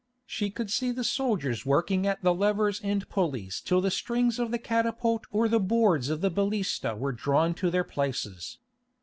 She could see the soldiers working at the levers and pulleys till the strings of the catapult or the boards of the balista were drawn to their places.